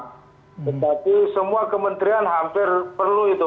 tetapi semua kementerian hampir perlu itu